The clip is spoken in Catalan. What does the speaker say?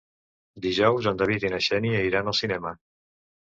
Dijous en David i na Xènia iran al cinema.